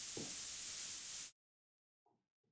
马尔托。